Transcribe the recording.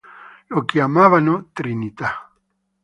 Lo chiamavano Trinità...